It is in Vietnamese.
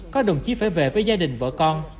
có đồng chí phải về với gia đình vợ con